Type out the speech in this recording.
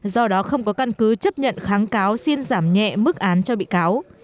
do đó không có căn cứ chấp nhận kháng cáo xin giảm nhẹ mức án cho bị cáo